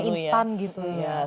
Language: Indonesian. pokoknya instan gitu ya